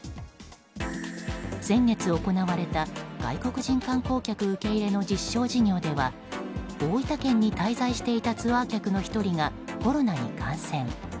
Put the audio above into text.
先月、行われた外国人観光客受け入れの実証事業では大分県に滞在していたツアー客の１人がコロナに感染。